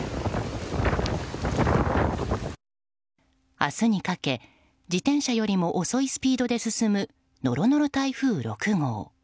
明日にかけ自転車よりも遅いスピードで進むノロノロ台風６号。